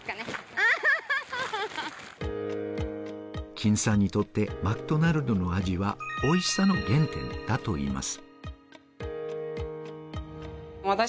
金さんにとってマクドナルドの味はおいしさの原点だといいます。